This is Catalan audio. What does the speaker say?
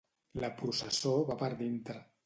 La processó va per dintre.